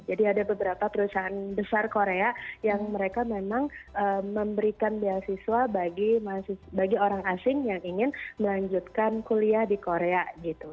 jadi ada beberapa perusahaan besar korea yang mereka memang memberikan beasiswa bagi orang asing yang ingin melanjutkan kuliah di korea gitu